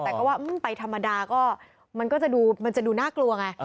แต่ก็ว่าไปธรรมดาก็มันก็จะดูมันจะดูน่ากลัวไง